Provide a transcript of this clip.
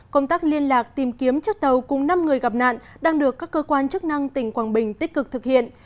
công tác liên lạc tìm kiếm chiếc tàu cùng năm người gặp nạn đang được các cơ quan chức năng tỉnh quảng bình tích cực thực hiện